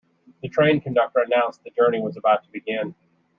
The train conductor announced the journey is about to begin.